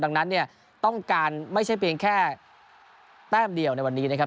ดังนั้นเนี่ยต้องการไม่ใช่เพียงแค่แต้มเดียวในวันนี้นะครับ